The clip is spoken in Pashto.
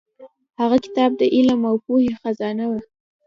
هغه کتاب د علم او پوهې خزانه وه.